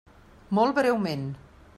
Molt breument.